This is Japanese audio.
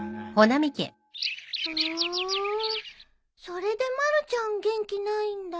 それでまるちゃん元気ないんだ。